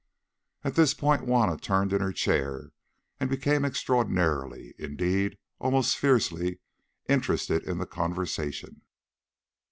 At this point Juanna turned in her chair and became extraordinarily, indeed almost fiercely, interested in the conversation.